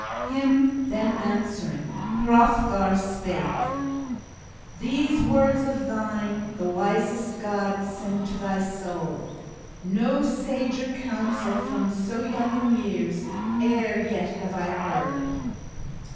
Him then answering, Hrothgar spake: "These words of thine the wisest God sent to thy soul! No sager counsel from so young in years e'er yet have I heard.